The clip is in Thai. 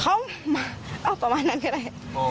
เขามาเอาประมาณนั้นก็ได้